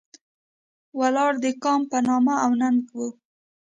ولاړ د کام په نام او ننګ و.